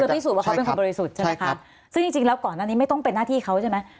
พิสูจนว่าเขาเป็นคนบริสุทธิ์ใช่ไหมคะซึ่งจริงจริงแล้วก่อนอันนี้ไม่ต้องเป็นหน้าที่เขาใช่ไหม